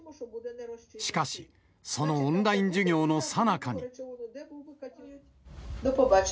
しかし、そのオンライン授業のさなかに。